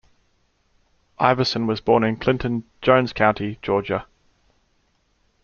Iverson was born in Clinton, Jones County, Georgia.